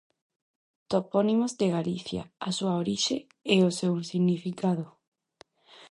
Topónimos de Galicia: a súa orixe e o seu significado.